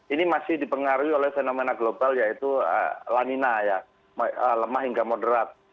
ini masih dipengaruhi oleh fenomena global yaitu lanina ya lemah hingga moderat